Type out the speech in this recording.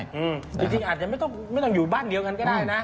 จริงอาจจะไม่ต้องอยู่บ้านเดียวกันก็ได้นะ